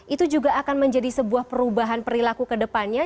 itu juga akan menjadi sebuah perubahan perilaku kedepannya